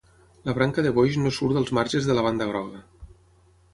La branca de boix no surt dels marges de la banda groga.